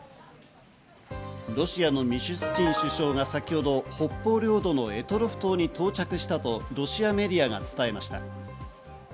ロシアのミシュスチン首相が先ほど、北方領土の択捉島に到着したとロシアメディアが伝えました。